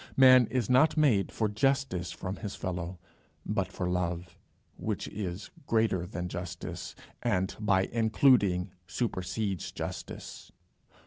Man is not made for justice from his fellow, but for love, which is greater than justice, and by including supersedes justice.